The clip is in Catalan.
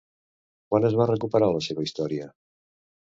Quan es va recuperar la seva història?